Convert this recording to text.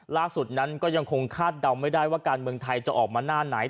ล่าสุดนั้นก็ยังคงคาดเดาไม่ได้ว่าการเมืองไทยจะออกมาหน้าไหน